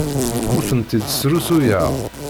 Ur tent-id-srusuyeɣ.